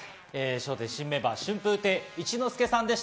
『笑点』新メンバー・春風亭一之輔さんでした。